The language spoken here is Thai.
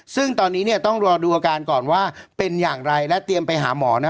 ซึ่งตอนนี้เนี่ยต้องรอดูอาการก่อนว่าเป็นอย่างไรและเตรียมไปหาหมอนะ